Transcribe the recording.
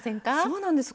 そうなんです